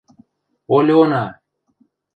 Олёна!..